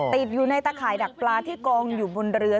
ติดอยู่ในตะข่ายดักปลาที่กองอยู่บนเรือ